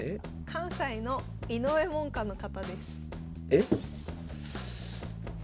関西の井上門下の方。